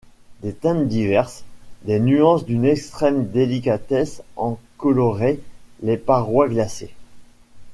Des teintes diverses, des nuances d’une extrême délicatesse en coloraient les parois glacées.